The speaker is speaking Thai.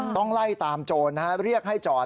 ต้องไล่ตามโจรเรียกให้จอด